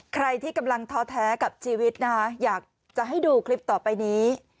ใครที่กำลังท้อแท้กับชีวิตนะคะอยากจะให้ดูคลิปต่อไปนี้